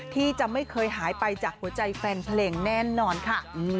ที่จะไม่เคยหายไปจากหัวใจแฟนเพลงแน่นอนค่ะ